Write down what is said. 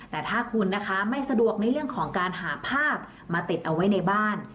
แต่ถ้าคุณนะคะไม่สะดวกในเรื่องของการหาภาพมาติดเอาไว้ในบ้าน